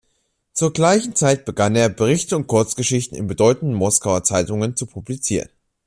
Zur gleichen Zeit begann er, Berichte und Kurzgeschichten in bedeutenden Moskauer Zeitungen zu publizieren.